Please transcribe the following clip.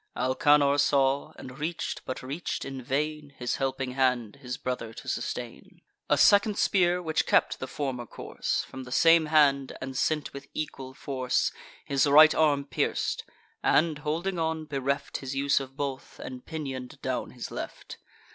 Alcanor saw; and reach'd, but reach'd in vain, His helping hand, his brother to sustain. A second spear, which kept the former course, From the same hand, and sent with equal force, His right arm pierc'd, and holding on, bereft His use of both, and pinion'd down his left.